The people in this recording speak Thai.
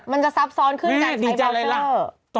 มันจะซับซ้อนขึ้นจากใช้ไวเชอร์